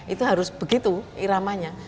itu harus begitu iramanya